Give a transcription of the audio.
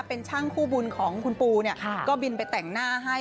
เป็นช่างคู่บุญของคุณปูเนี่ยก็บินไปแต่งหน้าให้